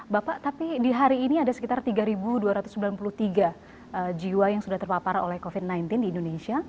bapak tapi di hari ini ada sekitar tiga dua ratus sembilan puluh tiga jiwa yang sudah terpapar oleh covid sembilan belas di indonesia